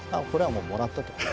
これはもう、もらったと。